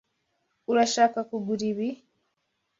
Urashaka kugura ibi?